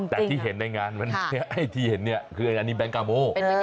แต่ที่เห็นดังงานมันที่เห็นเนี่ยคืออันนี้แบงก์กาโม